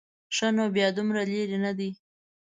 ښه نو بیا دومره لرې نه دی.